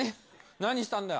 何したんだよ。